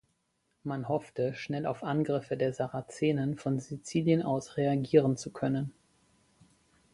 Man hoffte, schnell auf Angriffe der Sarazenen von Sizilien aus reagieren zu können.